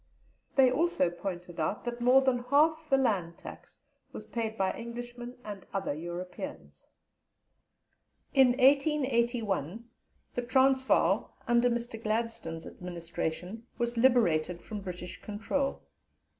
They also pointed out that more than half the land tax was paid by Englishmen and other Europeans. In 1881, the Transvaal (under Mr. Gladstone's administration) was liberated from British control.